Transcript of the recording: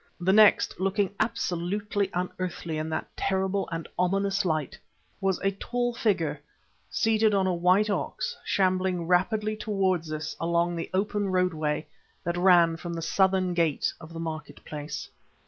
The next, looking absolutely unearthly in that terrible and ominous light, was a tall figure seated on a white ox shambling rapidly towards us along the open roadway that ran from the southern gate of the market place.